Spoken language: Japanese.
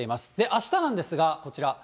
あしたなんですが、こちら。